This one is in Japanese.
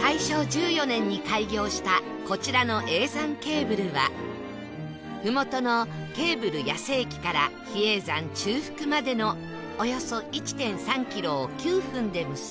大正１４年に開業したこちらの叡山ケーブルはふもとのケーブル八瀬駅から比叡山中腹までのおよそ １．３ キロを９分で結び